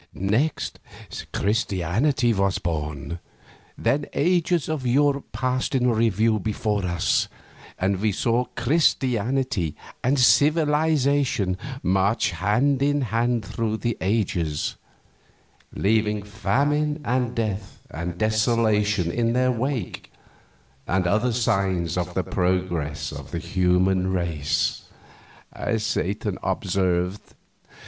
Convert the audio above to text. Next, Christianity was born. Then ages of Europe passed in review before us, and we saw Christianity and Civilization march hand in hand through those ages, "leaving famine and death and desolation in their wake, and other signs of the progress of the human race," as Satan observed.